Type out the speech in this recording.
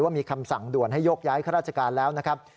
มีคำสั่งด่วนให้ยกย้ายข้าราชการแล้วนะครับ